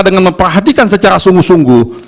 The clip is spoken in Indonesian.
dengan memperhatikan secara sungguh sungguh